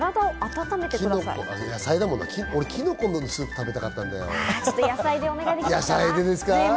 俺キノコのスープが食べたかったんだよな。